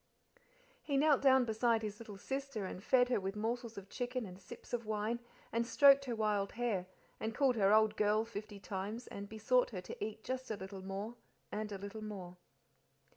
He knelt down beside his little sister and fed her with morsels of chicken and sips of wine, and stroked her wild hair, and called her old girl fifty times, and besought her to eat just a little more and a little more.